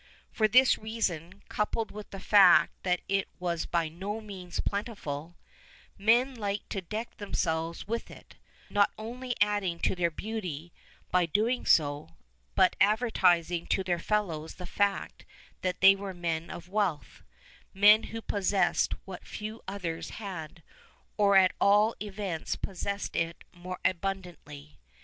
For this reason, coupled with the fact that it was by no means plentiful, men liked to deck themselves with it, not only adding to their "beauty" by so doing, but advertising to their fellows the fact that they were men of wealth, men who possessed what few others had, or at all events possessed it more abundantly.